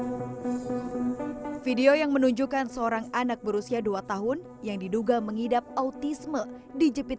hai video yang menunjukkan seorang anak berusia dua tahun yang diduga menghidap autisme dijepit